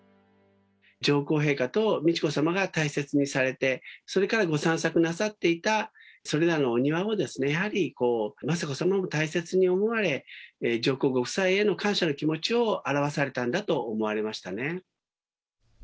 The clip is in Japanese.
上皇陛下と美智子さまが大切にされて、それからご散策なさっていたそれらのお庭もやはり雅子さまも大切に思われ、上皇ご夫妻への感謝の気持ちを表されたんだと思われましたね。